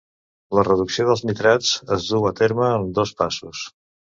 La reducció dels nitrats es duu a terme en dos passos.